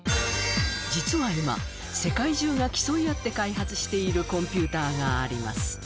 実は今世界中が競い合って開発しているコンピューターがあります